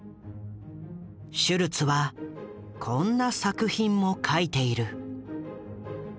シュルツはこんな作品も描いている。